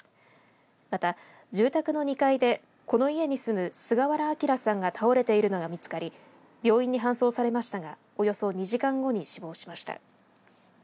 また、住宅の２階でこの家に住む菅原啓さんが倒れているのが見つかり病院に搬送されましたがおよそ２時間後に死亡しました。